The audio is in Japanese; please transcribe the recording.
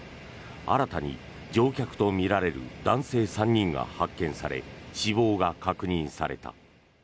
新たに、乗客とみられる男性３人が発見され死亡が確認された。